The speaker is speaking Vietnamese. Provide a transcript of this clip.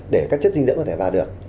để các chất dinh dưỡng có thể vào được